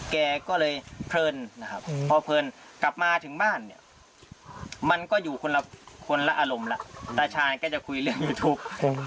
แกก็เลยเพลินนะครับพอเพลินกลับมาถึงบ้านเนี่ยมันก็อยู่คนละคนละอารมณ์แล้วตาชาญก็จะคุยเรื่องยูทูป